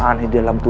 dan untuk ajiat